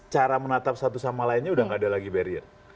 cara menatap satu sama lainnya udah gak ada lagi barrier